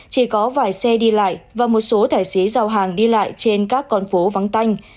chỉ có vài xe đi lại và một số tài xế giao hàng đi lại trên các con phố vắng tanh